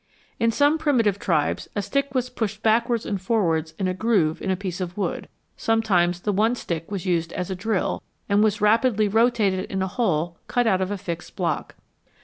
In some primi tive tribes a stick was pushed backwards and forwards in a groove in a piece of wood ; sometimes the one stick was used as a drill, and was rapidly rotated in a hole cut out of a fixed block.